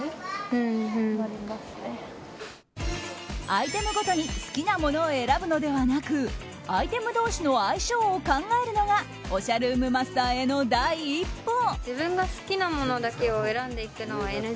アイテムごとに好きなものを選ぶのではなくアイテム同士の相性を考えるのがおしゃルームマスターへの第一歩。